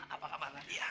apa kabar nadia